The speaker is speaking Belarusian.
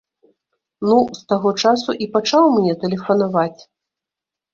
Ну з таго часу і пачаў мне тэлефанаваць.